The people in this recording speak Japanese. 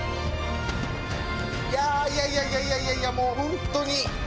いやいやいやいやいやもう本当に。